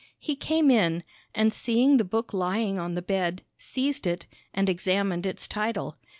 He came in, and seeing the book lying on the bed, seized it, and examined its title.